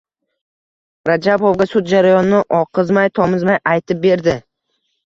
Rajabovga sud jarayonini oqizmay-tomizmay aytib berdi.